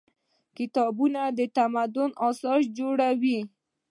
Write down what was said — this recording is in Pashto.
کتابونه د تمدن اساس جوړوي.